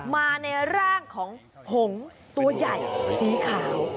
มาในร่างของหงตัวใหญ่สีขาว